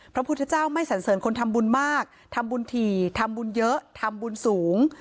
พระพุทธเจ้าไม่สันเสริญคนทำบุญมากทำบุญถี่ทำบุญเยอะทำบุญสูง